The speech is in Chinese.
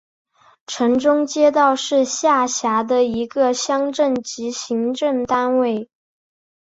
城中街道是下辖的一个乡镇级行政单位。